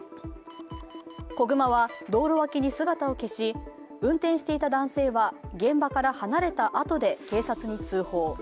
子熊は道路脇に姿を消し、運転していた男性は現場から離れた後で警察に通報。